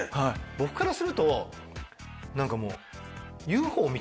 僕からすると何かもう。